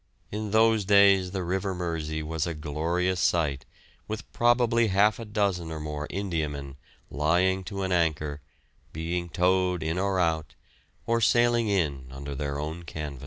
In those days the river Mersey was a glorious sight with probably half a dozen or more Indiamen lying to an anchor, being towed in or out, or sailing in under their own canvas.